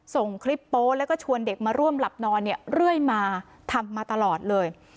ส่งคลิปโป๊แล้วก็ชวนเด็กมาร่วมหลับนอนเนี่ยเรื่อยมาทำมาตลอดเลย